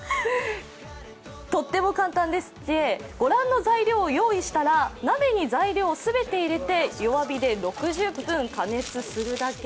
とっても簡単でして御覧の材料を用意したら鍋に材料を全て入れて弱火で６０分加熱するだけ。